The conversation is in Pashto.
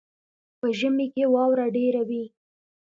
په ژمي کې واوره ډیره وي.